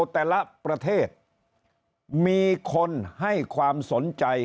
แต่ละประเทศมีคนให้ความสนใจ